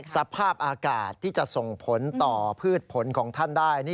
สภาพอากาศที่จะส่งผลต่อพืชผลของท่านได้